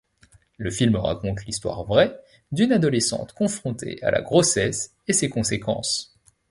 Le film raconte l'histoire vraie d'une adolescente confrontée à la grossesse et ses conséquences.